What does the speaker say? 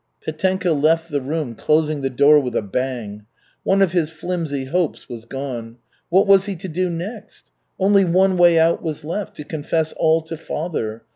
Petenka left the room, closing the door with a bang. One of his flimsy hopes was gone. What was he to do next? Only one way out was left to confess all to father.